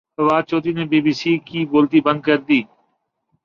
فواد چوہدری نے B B C کی بولتی بند کردی